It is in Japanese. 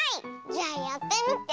じゃあやってみて。